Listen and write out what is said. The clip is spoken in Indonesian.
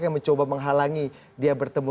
yang mencoba menghalangi dia bertemu